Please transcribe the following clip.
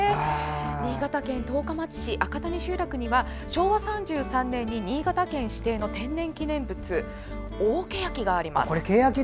新潟県十日町市赤谷集落には昭和３３年に新潟県指定の天然記念物、大ケヤキがあります。